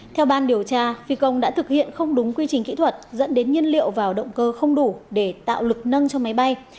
theo ban điều tra phi công đã thực hiện không đúng quy trình kỹ thuật dẫn đến nhiên liệu vào động cơ không đủ để tạo lực nâng cho máy bay